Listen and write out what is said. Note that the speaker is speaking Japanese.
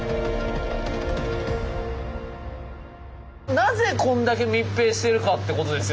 なぜこんだけ密閉してるかってことですよね。